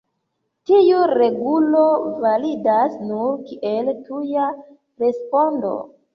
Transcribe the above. Tiu regulo validas nur kiel tuja respondo.